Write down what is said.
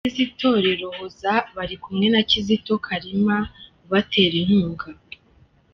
Abagize itorero Hoza bari kumwe na Kizito Kalima ubatera inkunga.